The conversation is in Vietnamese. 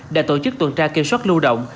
đã tổ chức tuần tra kiểm soát lưu động